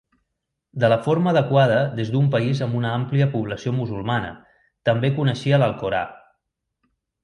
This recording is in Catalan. De la forma adequada des d'un país amb una àmplia població musulmana, també coneixia l'alcorà.